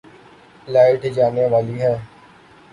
light جانے والی ہے